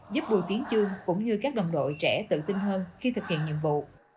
giúp bùi tiến trương cũng như các đồng đội trẻ tự tin hơn khi thực hiện nhiệm vụ